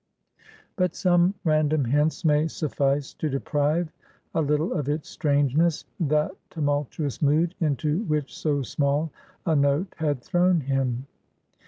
But some random hints may suffice to deprive a little of its strangeness, that tumultuous mood, into which so small a note had thrown him.